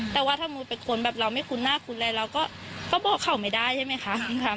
แต่ว่าถ้ามุติไปค้นแบบเราไม่คุ้นหน้าคุ้นอะไรเราก็บอกเขาไม่ได้ใช่ไหมคะ